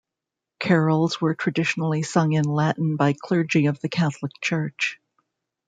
Carols were traditionally sung in Latin by clergy of the Catholic church.